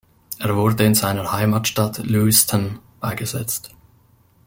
Er wurde in seiner Heimatstadt Lewiston beigesetzt.